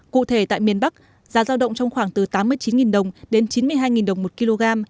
cụ thể tại miền bắc giá giao động trong khoảng từ tám mươi chín đồng đến chín mươi hai đồng một kg